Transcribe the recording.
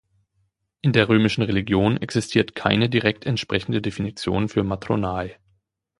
In der römischen Religion existiert keine direkt entsprechende Definition für "Matronae".